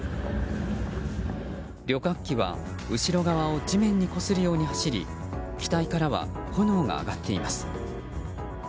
旅客機は後ろ側を地面にこするように走り機体からは炎が上がっています。